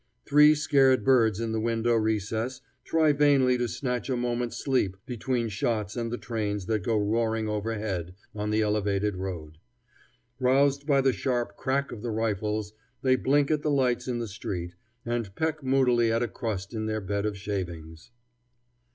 Three scared birds in the window recess try vainly to snatch a moment's sleep between shots and the trains that go roaring over head on the elevated road. Roused by the sharp crack of the rifles, they blink at the lights in the street, and peck moodily at a crust in their bed of shavings.